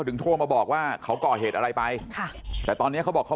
โทรมาบอกว่าเขาก่อเหตุอะไรไปค่ะแต่ตอนเนี้ยเขาบอกเขา